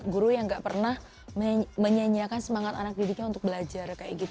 guru yang gak pernah menyanyiakan semangat anak didiknya untuk belajar